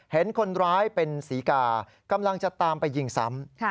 เห็นคนร้ายเป็นศรีกากำลังจะตามไปยิงซ้ำ